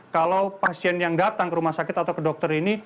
kalau pasien yang datang ke rumah sakit atau ke dokter ini